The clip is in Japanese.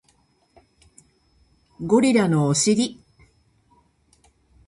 ゴリラのお尻